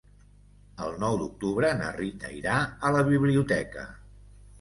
El nou d'octubre na Rita irà a la biblioteca.